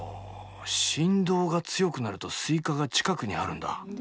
振動が強くなるとスイカが近くにあるんだ。